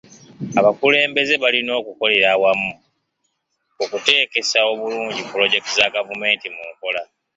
Abakulembeze balina okukolera awamu okuteekesa obulungi pulojekiti za gavumenti mu nkola.